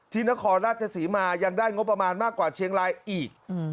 นครราชศรีมายังได้งบประมาณมากกว่าเชียงรายอีก